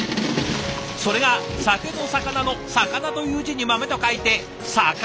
それが酒と肴の「肴」という字に「豆」と書いて肴豆。